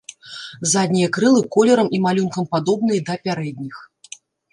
Заднія крылы колерам і малюнкам падобныя да пярэдніх.